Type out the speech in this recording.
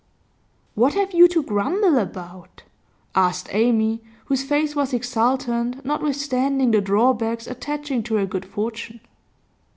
'What have you to grumble about?' asked Amy, whose face was exultant notwithstanding the drawbacks attaching to her good fortune.